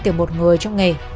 với một người trong nghề